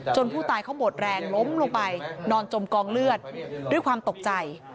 ผู้ตายเขาหมดแรงล้มลงไปนอนจมกองเลือดด้วยความตกใจ